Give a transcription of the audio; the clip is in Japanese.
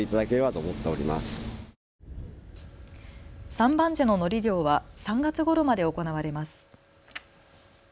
三番瀬ののり漁は３月ごろまで行われます。